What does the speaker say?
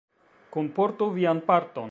Kunportu vian parton!